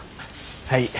はい。